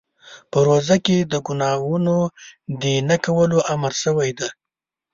په روژه کې د ګناهونو د نه کولو امر شوی دی.